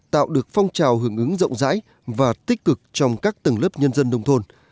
tạo được phong trào hưởng ứng rộng rãi và tích cực trong các tầng lớp nhân dân nông thôn